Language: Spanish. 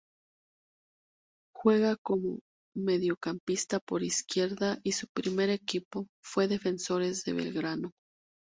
Juega como mediocampista por izquierda y su primer equipo fue Defensores de Belgrano.